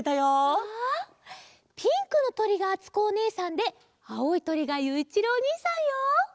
うわピンクのとりがあつこおねえさんであおいとりがゆういちろうおにいさんよ！